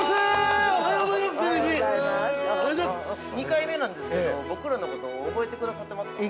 ◆２回目なんですけど、僕らのことを覚えてくださってますか？